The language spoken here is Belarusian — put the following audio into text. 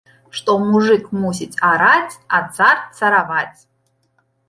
Што мужык мусіць араць, а цар цараваць!